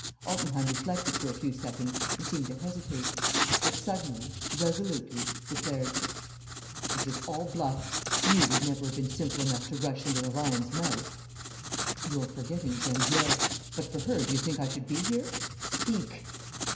Altenheim reflected for a few seconds and seemed to hesitate; but, suddenly, resolutely, declared: "This is all bluff. You would never have been simple enough to rush into the lion's mouth." "You're forgetting Geneviève. But for her, do you think I should be here? Speak!"